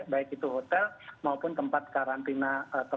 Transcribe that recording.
baik itu hotel maupun tempat karantina